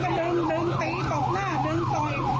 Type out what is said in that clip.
คนนั้นก็เดินต่อกล่อหน้าเดินต่อย